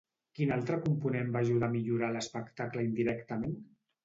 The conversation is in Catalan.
Quin altre component va ajudar a millorar l'espectacle indirectament?